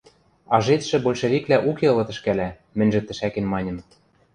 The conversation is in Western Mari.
– Ажедшӹ большевиквлӓ уке ылыт ӹшкӓлӓ, – мӹньжӹ тӹшӓкен маньым.